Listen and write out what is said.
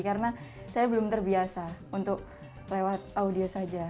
karena saya belum terbiasa untuk lewat audio saja